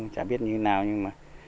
chả biết như thế nào nhưng mà